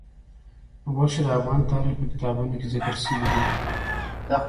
غوښې د افغان تاریخ په کتابونو کې ذکر شوي دي.